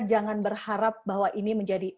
jangan berharap bahwa ini menjadi